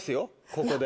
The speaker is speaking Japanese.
ここで。